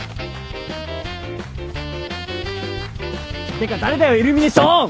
てか誰だよ入峰ショーン！